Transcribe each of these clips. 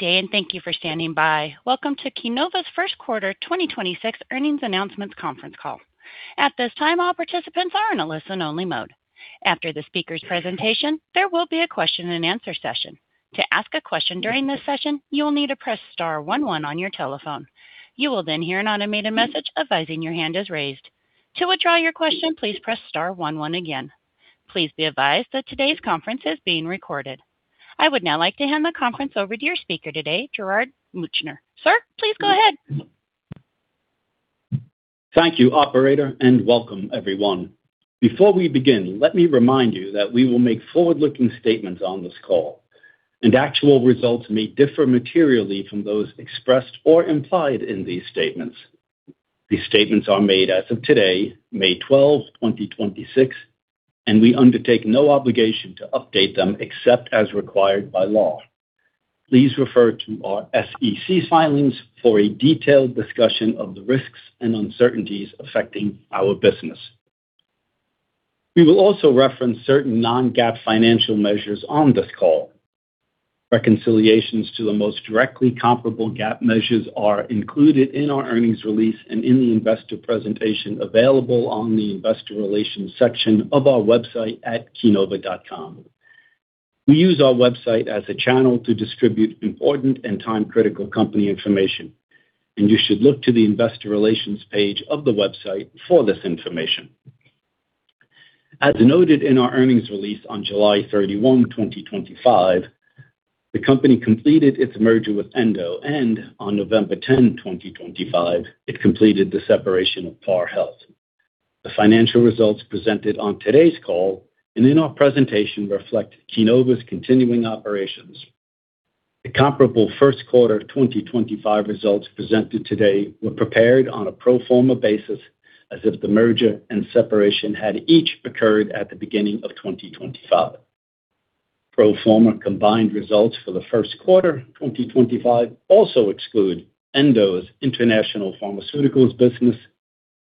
Day and thank you for standing by. Welcome to Keenova's first quarter 2026 earnings announcements conference call. At this time, all participants are in a listen-only mode. After the speaker's presentation, there will be a question and answer session. Please be advised that today's conference is being recorded. I would now like to hand the conference over to your speaker today, Gerard Meuchner. Sir, please go ahead. Thank you, operator. Welcome everyone. Before we begin, let me remind you that we will make forward-looking statements on this call, and actual results may differ materially from those expressed or implied in these statements. These statements are made as of today, May 12, 2026. We undertake no obligation to update them except as required by law. Please refer to our SEC filings for a detailed discussion of the risks and uncertainties affecting our business. We will also reference certain non-GAAP financial measures on this call. Reconciliations to the most directly comparable GAAP measures are included in our earnings release and in the investor presentation available on the investor relations section of our website at ir.mallinckrodt.com. We use our website as a channel to distribute important and time-critical company information. You should look to the investor relations page of the website for this information. As noted in our earnings release on July 31, 2025, the company completed its merger with Endo, and on November 10, 2025, it completed the separation of Par Health. The financial results presented on today's call and in our presentation reflect Keenova's continuing operations. The comparable first quarter 2025 results presented today were prepared on a pro forma basis as if the merger and separation had each occurred at the beginning of 2025. Pro forma combined results for the first quarter 2025 also exclude Endo's international pharmaceuticals business,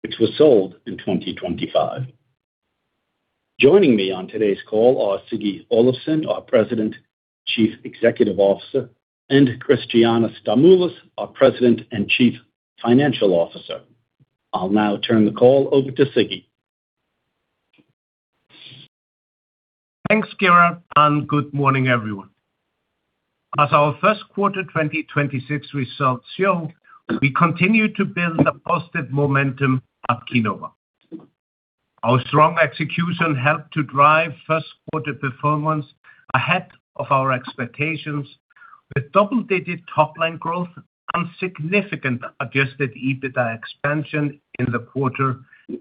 which was sold in 2025. Joining me on today's call are Sigurdur Olafsson, our President, Chief Executive Officer, and Christiana Stamoulis, our President and Chief Financial Officer. I'll now turn the call over to Siggi. Thanks, Gerard. Good morning, everyone. As our first quarter 2026 results show, we continue to build the positive momentum at Keenova. Our strong execution helped to drive first quarter performance ahead of our expectations with double-digit top-line growth and significant adjusted EBITDA expansion in the quarter,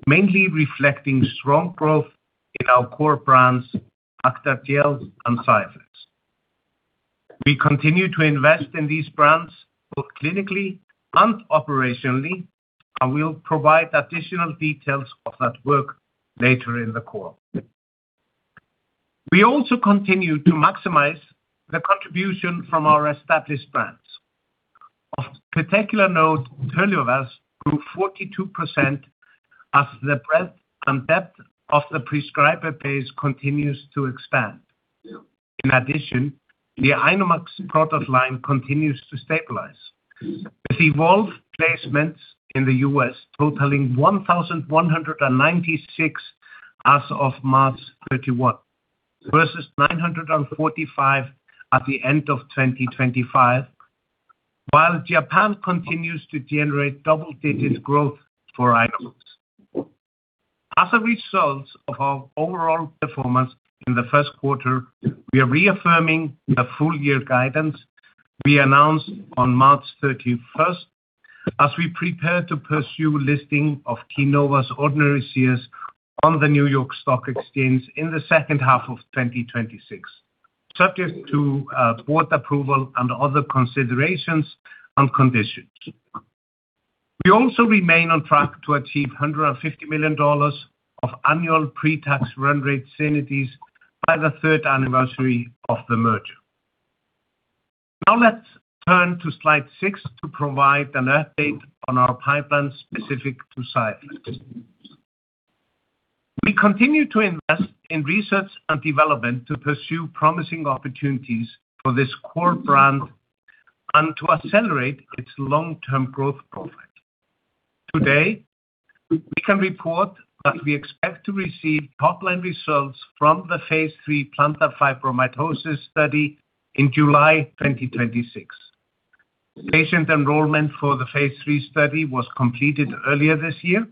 mainly reflecting strong growth in our core brands, Acthar Gel and XIAFLEX. We continue to invest in these brands, both clinically and operationally, and we'll provide additional details of that work later in the call. We also continue to maximize the contribution from our established brands. Of particular note, TERLIVAZ grew 42% as the breadth and depth of the prescriber base continue to expand. In addition, the INOmax product line continues to stabilize, with EVOLVE placements in the U.S. totaling 1,196 as of March 31 versus 945 at the end of 2025, while Japan continues to generate double-digit growth for INOmax. A result of our overall performance in the first quarter, we are reaffirming the full-year guidance we announced on March 31 as we prepare to pursue the listing of Keenova's ordinary shares on the New York Stock Exchange in the second half of 2026, subject to board approval and other considerations and conditions. We also remain on track to achieve $150 million of annual pre-tax run rate synergies by the third anniversary of the merger. Let's turn to slide six to provide an update on our pipeline specific to XIAFLEX. We continue to invest in research and development to pursue promising opportunities for this core brand and to accelerate its long-term growth profile. Today, we can report that we expect to receive top-line results from the phase III plantar fibromatosis study in July 2026. Patient enrollment for the phase III study was completed earlier this year,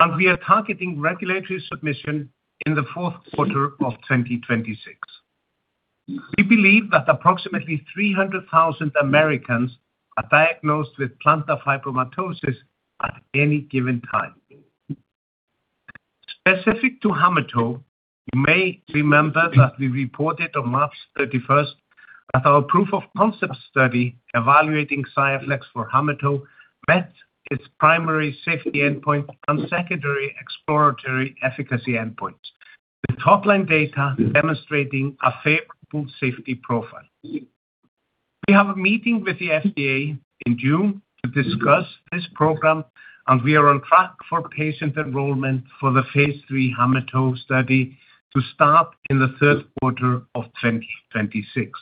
and we are targeting regulatory submission in the fourth quarter of 2026. We believe that approximately 300,000 Americans are diagnosed with plantar fibromatosis at any given time. Specific to hammertoe, you may remember that we reported on March 31 that our proof of concept study evaluating XIAFLEX for hammertoe met its primary safety endpoint and secondary exploratory efficacy endpoints. The top-line data demonstrating a favorable safety profile. We have a meeting with the FDA in June to discuss this program. We are on track for patient enrollment for the phase III HAMLET-0 study to start in the third quarter of 2026.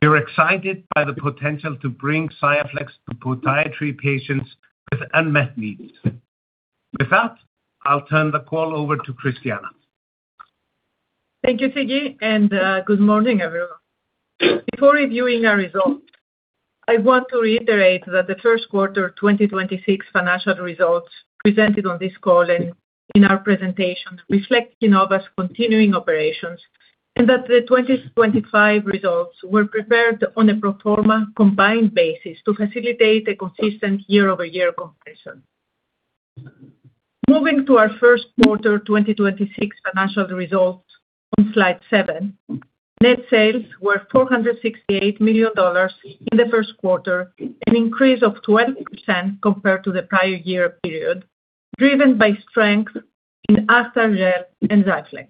We are excited by the potential to bring XIAFLEX to podiatry patients with unmet needs. With that, I'll turn the call over to Christiana. Thank you, Siggi. Good morning, everyone. Before reviewing our results, I want to reiterate that the first quarter 2026 financial results presented on this call and in our presentations reflect Keenova's continuing operations and that the 2025 results were prepared on a pro forma combined basis to facilitate a consistent year-over-year comparison. Moving to our first quarter 2026 financial results on slide seven. Net sales were $468 million in the first quarter, an increase of 20% compared to the prior year period, driven by strength in Acthar Gel and XIAFLEX.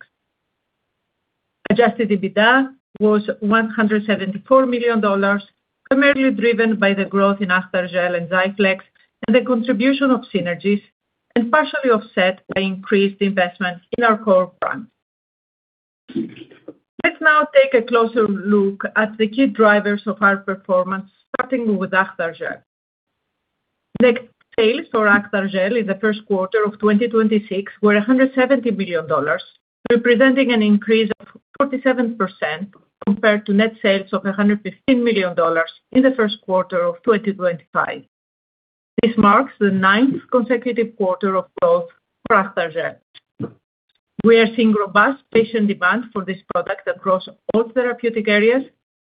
Adjusted EBITDA was $174 million, primarily driven by the growth in Acthar Gel and XIAFLEX, and the contribution of synergies, and partially offset by increased investment in our core brands. Let's now take a closer look at the key drivers of our performance, starting with Acthar Gel. Net sales for Acthar Gel in the first quarter of 2026 were $170 million, representing an increase of 47% compared to net sales of $115 million in the first quarter of 2025. This marks the ninth consecutive quarter of growth for Acthar Gel. We are seeing robust patient demand for this product across all therapeutic areas,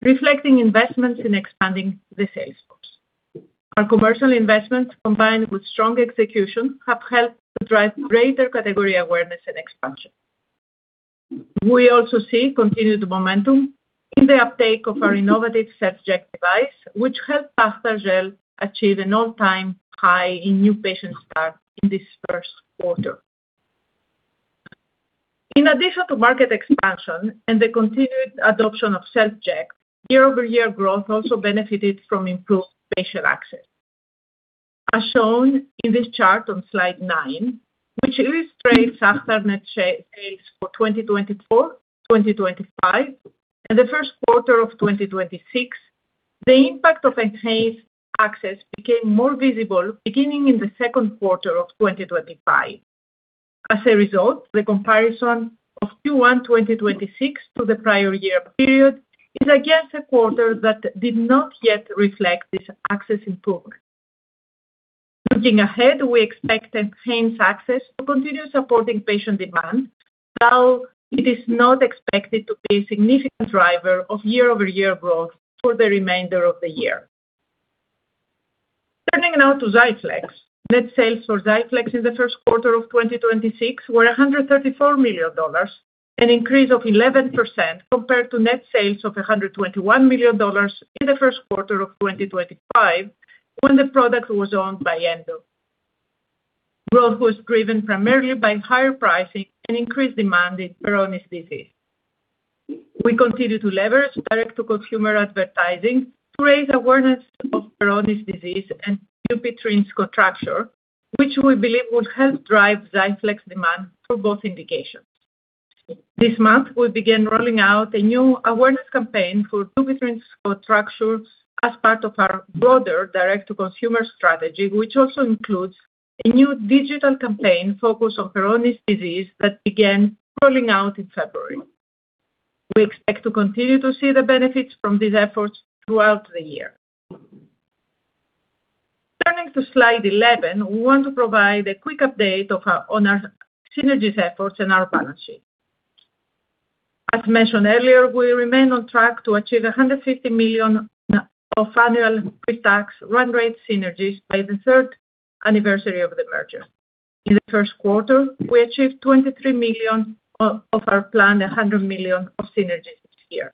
reflecting investments in expanding the sales force. Our commercial investments, combined with strong execution, have helped to drive greater category awareness and expansion. We also see continued momentum in the uptake of our innovative SelfJect device, which helped Acthar Gel achieve an all-time high in new patient starts in this first quarter. In addition to market expansion and the continued adoption of SelfJect, year-over-year growth also benefited from improved patient access. As shown in this chart on slide nine, which illustrates Acthar net sales for 2024, 2025, and the first quarter of 2026, the impact of enhanced access became more visible beginning in the second quarter of 2025. As a result, the comparison of Q1 2026 to the prior-year period is, again, a quarter that did not yet reflect this access improvement. Looking ahead, we expect enhanced access to continue supporting patient demand, though it is not expected to be a significant driver of year-over-year growth for the remainder of the year. Turning now to XIAFLEX. Net sales for XIAFLEX in the first quarter of 2026 were $134 million, an increase of 11% compared to net sales of $121 million in the first quarter of 2025, when the product was owned by Endo. Growth was driven primarily by higher pricing and increased demand in Peyronie's disease. We continue to leverage direct-to-consumer advertising to raise awareness of Peyronie's disease and Dupuytren's contracture, which we believe will help drive XIAFLEX demand for both indications. This month, we began rolling out a new awareness campaign for Dupuytren's contracture as part of our broader direct-to-consumer strategy, which also includes a new digital campaign focused on Peyronie's disease that began rolling out in February. We expect to continue to see the benefits from these efforts throughout the year. Turning to slide 11, we want to provide a quick update on our synergies efforts and our balance sheet. As mentioned earlier, we remain on track to achieve $150 million of annual pre-tax run rate synergies by the third anniversary of the merger. In the first quarter, we achieved $23 million of our planned $100 million of synergies this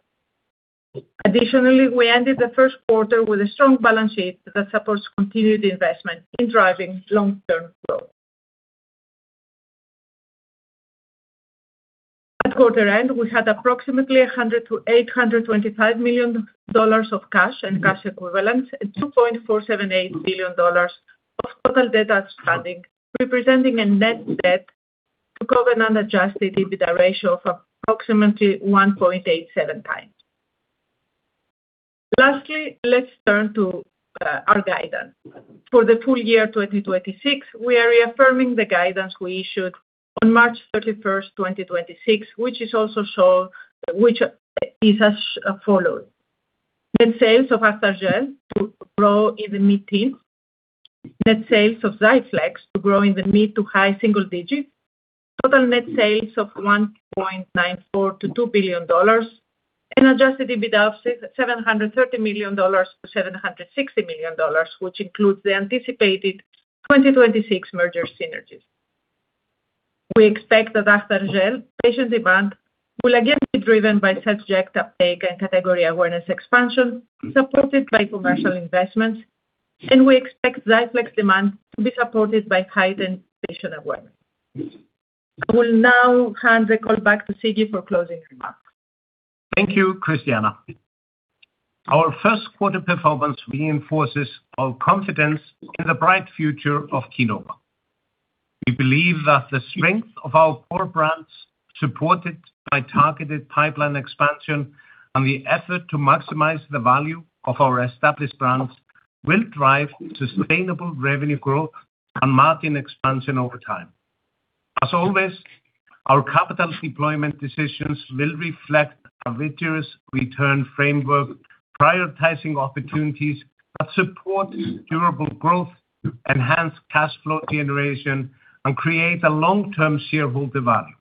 year. Additionally, we ended the first quarter with a strong balance sheet that supports continued investment in driving long-term growth. At quarter end, we had approximately $100 million-$825 million of cash and cash equivalents and $2.478 billion of total debt outstanding, representing a net debt to covenant-adjusted EBITDA ratio of approximately 1.87x. Lastly, let's turn to our guidance. For the full year 2026, we are reaffirming the guidance we issued on March 31, 2026, which is as follows. Net sales of Acthar Gel to grow in the mid-teens. Net sales of XIAFLEX to grow in the mid- to high single digits. Total net sales of $1.94 billion-$2 billion. Adjusted EBITDA of $730 million-$760 million, which includes the anticipated 2026 merger synergies. We expect that Acthar Gel patient demand will again be driven by SelfJect uptake and category awareness expansion, supported by commercial investments, and we expect XIAFLEX demand to be supported by heightened patient awareness. I will now hand the call back to Siggi for closing remarks. Thank you, Christiana. Our first-quarter performance reinforces our confidence in the bright future of Keenova. We believe that the strength of our core brands, supported by targeted pipeline expansion and the effort to maximize the value of our established brands, will drive sustainable revenue growth and margin expansion over time. As always, our capital deployment decisions will reflect a rigorous return framework, prioritizing opportunities that support durable growth, enhance cash flow generation, and create long-term shareholder value.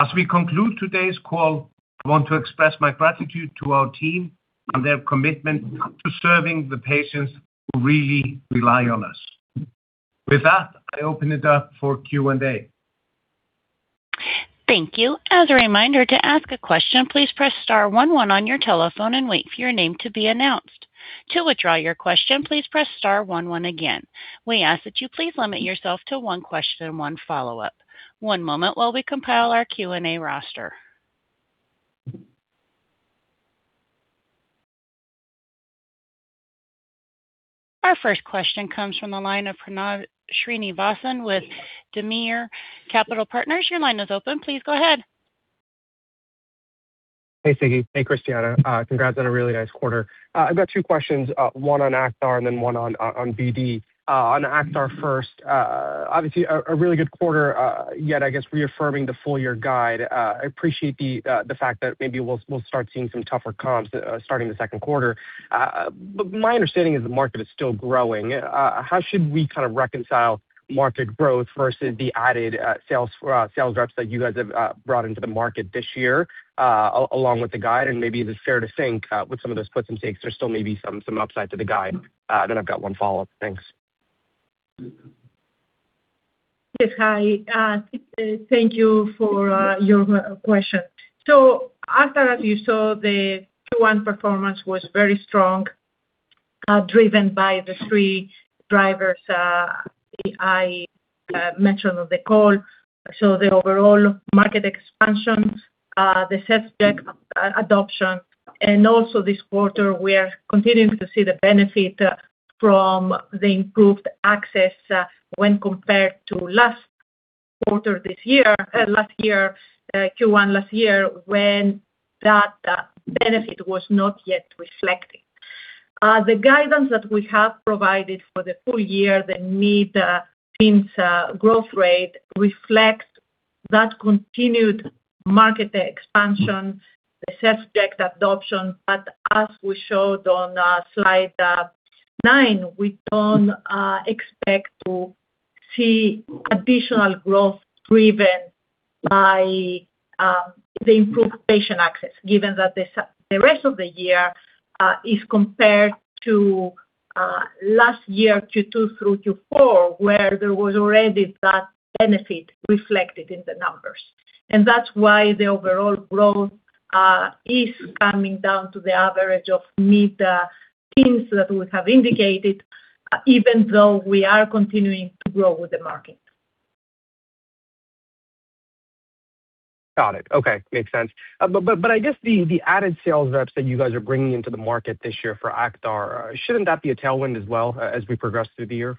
As we conclude today's call, I want to express my gratitude to our team and their commitment to serving the patients who really rely on us. With that, I open it up for Q&A. Thank you. As a reminder, to ask a question, please press star-one-one on your telephone and wait for your name to be announced. To withdraw your question, please press star-one-one again. We ask that you please limit yourself to one question and one follow-up. One moment while we compile our Q&A roster. Our first question comes from the line of Pranav Srinivasan with Diameter Capital Partners. Your line is open. Please go ahead. Hey, Siggi. Hey, Christiana. Congrats on a really nice quarter. I've got two questions, one on Acthar and then one on BD. On Acthar first, obviously a really good quarter, yet I guess reaffirming the full-year guide. I appreciate the fact that maybe we'll start seeing some tougher comps, starting the second quarter. My understanding is the market is still growing. How should we kind of reconcile market growth versus the added sales reps that you guys have brought into the market this year, along with the guide? Maybe if it's fair to think, with some of those puts and takes, there's still maybe some upside to the guide. I've got one follow-up. Thanks. Yes. Hi, thank you for your question. Acthar, as you saw, the Q1 performance was very strong, driven by the three drivers I mentioned on the call. The overall market expansion, the SelfJect adoption, and also this quarter we are continuing to see the benefit from the improved access when compared to last quarter this year, last year, and Q1 last year, when that benefit was not yet reflected. The guidance that we have provided for the full year, the mid-teens growth rate, reflects that continued market expansion, the SelfJect adoption. As we showed on slide nine, we don't expect to see additional growth driven by the improved patient access, given that the rest of the year is compared to last year's Q2 through Q4, where there was already that benefit reflected in the numbers. That's why the overall growth is coming down to the average of mid-teens that we have indicated, even though we are continuing to grow with the market. Got it. Okay. Makes sense. I guess the added sales reps that you guys are bringing into the market this year for Acthar shouldn't that be a tailwind as well as we progress through the year?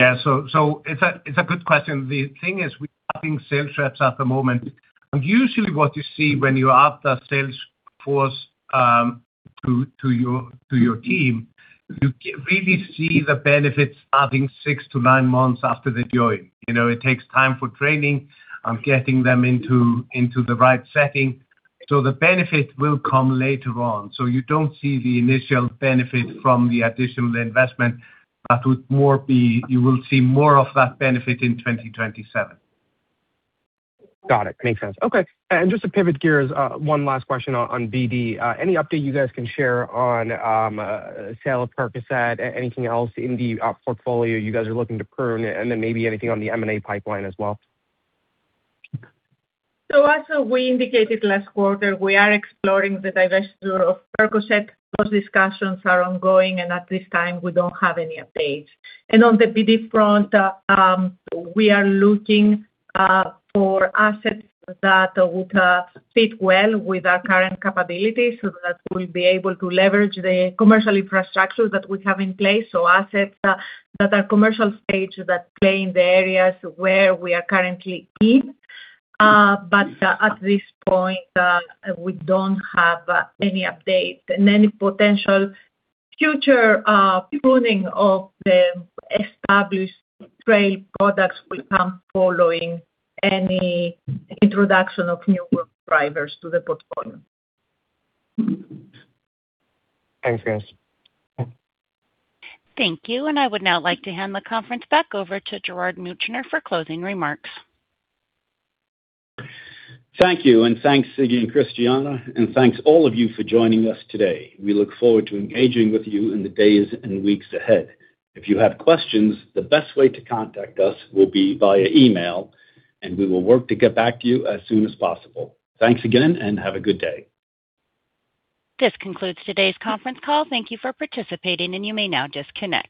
Yeah. It's a good question. The thing is we're having sales reps at the moment, and usually what you see when you add the sales force to your team is you really see the benefits starting six to nine months after they join. You know, it takes time for training and getting them into the right setting. The benefit will come later on. You don't see the initial benefit from the additional investment. That would more be, you will see more of that benefit in 2027. Got it. Makes sense. Okay. Just to pivot gears, one last question on BD. Any update you guys can share on sale of Percocet? Anything else in the portfolio you guys are looking to prune? Maybe anything on the M&A pipeline as well. As we indicated last quarter, we are exploring the divestiture of Percocet. Those discussions are ongoing, and at this time we don't have any updates. On the BD front, we are looking for assets that would fit well with our current capabilities so that we'll be able to leverage the commercial infrastructure that we have in place. Assets that are commercial stage that play in the areas where we are currently in. At this point, we don't have any update. Any potential future pruning of the established trade products will come following any introduction of new work drivers to the portfolio. Thanks, guys. Thank you. I would now like to hand the conference back over to Gerard Meuchner for closing remarks. Thank you. Thanks, Siggi and Christiana. Thanks all of you for joining us today. We look forward to engaging with you in the days and weeks ahead. If you have questions, the best way to contact us will be via email, and we will work to get back to you as soon as possible. Thanks again, and have a good day. This concludes today's conference call. Thank you for participating, and you may now disconnect.